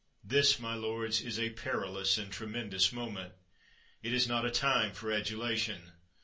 This, my lords, is a perilous and tremendous moment! It is not a time for adulation.